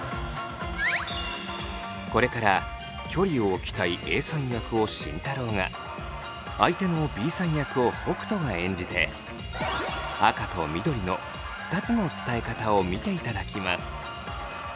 これから距離を置きたいＡさん役を慎太郎が相手のＢさん役を北斗が演じて赤と緑の２つの伝え方を見ていただきます。